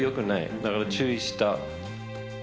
だから注意した。